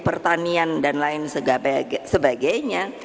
pertanian dan lain sebagainya